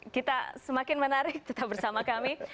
kita semakin menarik tetap bersama kami